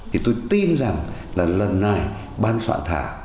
thì tôi tin rằng là lần này ban soạn thảo